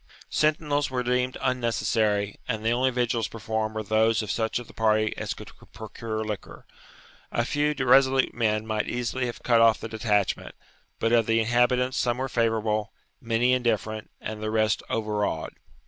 Sentinels were deemed unnecessary, and the only vigils performed were those of such of the party as could procure liquor. A few resolute men might easily have cut off the detachment; but of the inhabitants some were favourable, many indifferent, and the rest overawed.